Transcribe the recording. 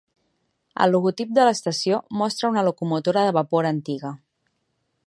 El logotip de l'estació mostra una locomotora de vapor antiga.